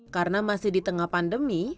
karena masih di tengah pandemi